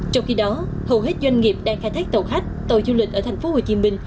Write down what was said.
trong khi đó hầu hết doanh nghiệp đang khai thác tàu khách tàu du lịch ở tp hcm